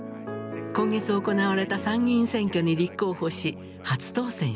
今月行われた参議院選挙に立候補し初当選しました。